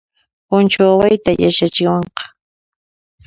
Punchu awayta yachachiwanqa